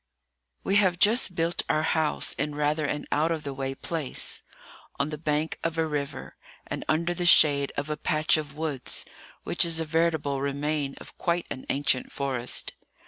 WE have just built our house in rather an out of the way place—on the bank of a river, and under the shade of a patch of woods which is a veritable remain of quite an ancient forest.